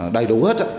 đầy đủ hết